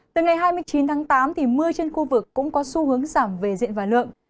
từ ngày hai mươi chín tháng tám mưa trên khu vực cũng có xu hướng giảm về diện và lượng